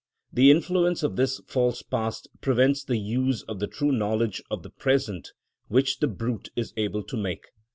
The influence of this false past prevents the use of the true knowledge of the present which the brute is able to make.